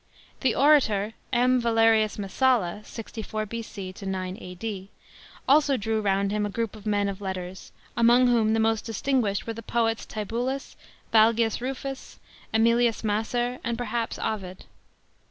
The orator M. VALERIUS MESSALLA (64 B.C. 9 A.D.), also drew round him a group" of men of letters, among whom the most distinguished were the poets Tibullus, Valgius Rufus, JSmilius Macer, and perhaps Ovid.